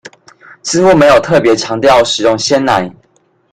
似乎沒有特別強調使用鮮奶